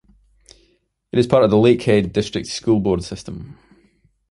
It is part of the Lakehead District School Board system.